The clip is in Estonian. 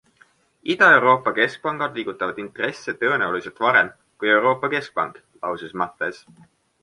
Ida-Euroopa keskpangad liigutavad intresse tõenäoliselt varem kui Euroopa Keskpank, lausus Matthes.